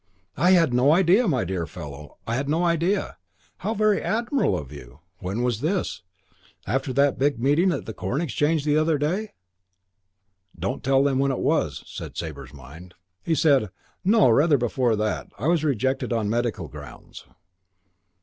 "I'd no idea! My dear fellow, I'd no idea! How very admirable of you! When was this? After that big meeting in the Corn exchange the other day?" "Don't tell them when it was," said Sabre's mind. He said, "No, rather before that. I was rejected on medical grounds."